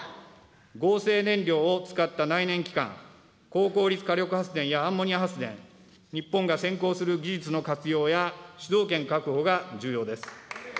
合成燃料を使った内燃機関、高効率火力発電やアンモニア発電、日本が先行する技術の活用や、主導権確保が重要です。